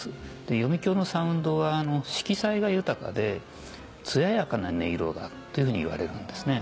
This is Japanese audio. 読響のサウンドは「色彩が豊かで艶やかな音色だ」っていうふうにいわれるんですね。